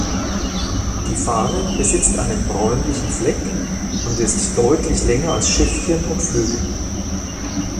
Die Fahne besitzt einen bräunlichen Fleck und ist deutlich länger als Schiffchen und Flügel.